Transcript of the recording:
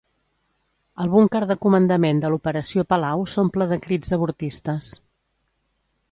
El búnquer de comandament de l'Operació Palau s'omple de crits avortistes.